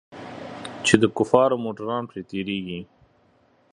چې د کفارو موټران پر تېرېږي.